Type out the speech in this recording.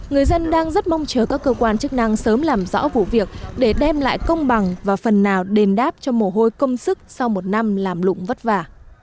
người dân đang rất mong chờ các cơ quan chức năng sớm làm rõ vụ việc để đem lại công bằng và phần nào đền đáp cho mồ hôi công sức sau một năm làm lụng vất vả